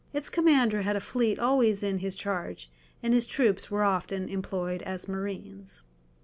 Its commander had a fleet always in his charge, and his troops were often employed as marines.